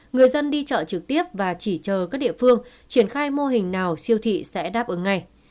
người dân đi chợ trực tiếp và chỉ chờ các địa phương triển khai mô hình nào siêu thị sẽ đáp ứng ngay